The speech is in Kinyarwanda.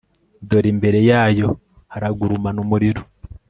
dore imbere yayo haragurumana umuriro